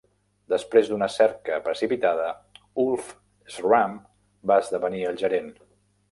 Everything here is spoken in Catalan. Després d'una cerca precipitada, Ulf Schramm va esdevenir el gerent.